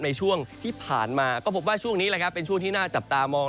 ในช่วงที่ผ่านมาก็พบว่าช่วงนี้แหละครับเป็นช่วงที่น่าจับตามอง